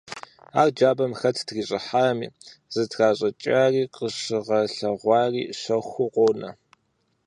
Ар джабэм хэт трищӀыхьами, зытращӀыкӀари къыщыгъэлъэгъуари щэхуу къонэ.